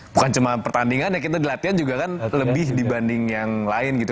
bukan cuma pertandingan ya kita latihan juga kan lebih dibanding yang lain gitu